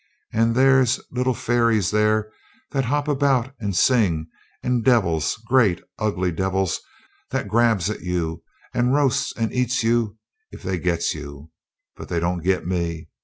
And there's little fairies there that hop about and sing, and devils great, ugly devils that grabs at you and roasts and eats you if they gits you; but they don't git me.